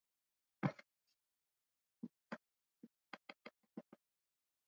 Ukumbi wa Silent Inn ulilipuka kwa furaha ya Rap hiyo ambayo ilipigwa usiku huo